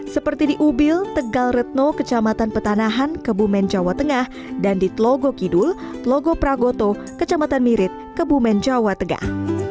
seperti di ubil tegal retno kecamatan petanahan kebumen jawa tengah dan di telogo kidul telogo pragoto kecamatan mirit kebumen jawa tengah